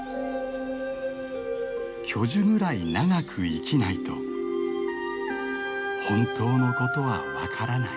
「巨樹ぐらい長く生きないと本当のことは分からない」。